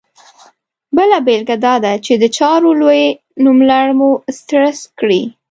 بله بېلګه دا ده چې د چارو لوی نوملړ مو سټرس کړي.